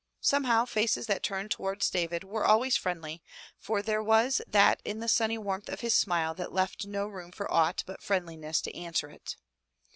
Somehow faces that turned towards David were always friendly, for there was that in the sunny warmth of his smile that left no room for aught but friendliness to answer it.